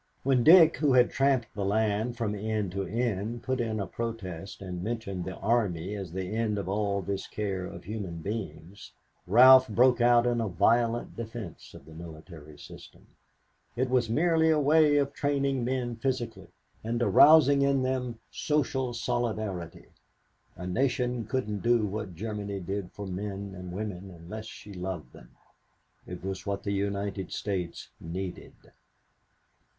When Dick, who had tramped the land from end to end, put in a protest and mentioned the army as the end of all this care of human beings, Ralph broke out in a violent defense of the military system. It was merely a way of training men physically and arousing in them social solidarity. A nation couldn't do what Germany did for men and women unless she loved them. It was what the United States needed.